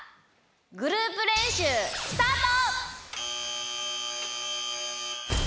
グループ練習スタート！